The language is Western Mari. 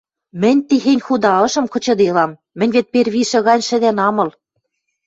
Мӹнь техень худа ышым кычыделам... мӹнь вет первишӹ гань шӹдӓн ам ыл...